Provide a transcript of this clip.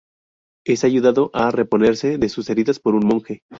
Es ayudado a reponerse de sus heridas por un monje.